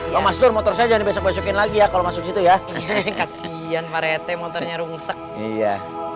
pak mas nur motor saya jangan besok besokin lagi ya kalau masuk situ ya kasihan pak rt motornya rungsek iya